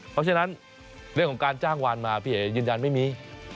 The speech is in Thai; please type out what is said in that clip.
เพราะฉะนั้นเรื่องของการจ้างวานมาพี่เอ๋ยืนยันไม่มี